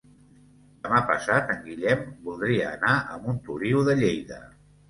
Demà passat en Guillem voldria anar a Montoliu de Lleida.